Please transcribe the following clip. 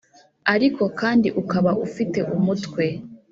ariko kandi ukaba ufite umutwe.